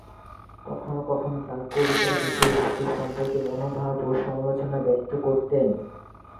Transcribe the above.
কখনো কখনো তার কবিতার বিষয়বস্তু সম্পর্কে মতামত ও সমালোচনা ব্যক্ত করতেন।